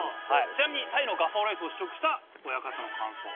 ちなみにタイのガパオライスを試食した親方の感想。